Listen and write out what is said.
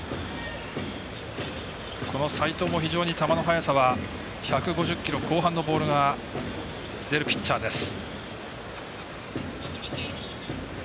齋藤も非常に球の速さは１５０キロ後半のボールが出るピッチャーです。